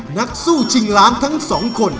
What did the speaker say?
นักสู้ชิงล้านทั้งสองคน